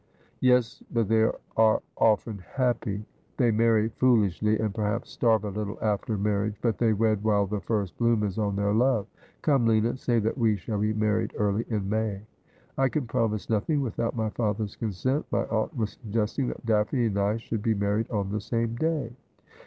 ' Yes, but they are often happy. They marry foolishly, and perhaps starve a little after marriage ; but they wed while the first bloom is on their love. Come, Lina, say that we shall be married early in May.' ' I can promise nothing without my father's consent. My aunt was suggesting that Daphne and I should be married on the same day.'